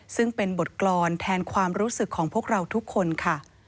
ซึ่งเป็นบทกรรมแทนความรู้สึกของพวกเราทุกคนค่ะ